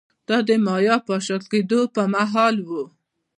دا د مایا پاشل کېدو پرمهال و